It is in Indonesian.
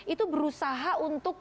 itu berusaha untuk